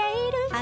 あ！